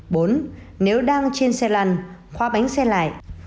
bốn nếu đang trên xe lăn khóa bánh xe lại